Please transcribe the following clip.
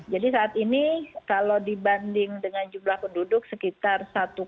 jadi saat ini kalau dibanding dengan jumlah penduduk sekitar satu sembilan